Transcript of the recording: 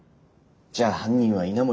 じゃあ犯人は稲森。